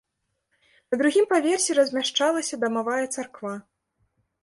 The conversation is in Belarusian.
На другім паверсе размяшчалася дамавая царква.